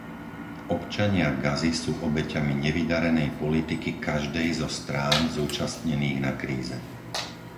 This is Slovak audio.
Občania Gazy sú obeťami nevydarenej politiky každej zo strán zúčastnených na kríze.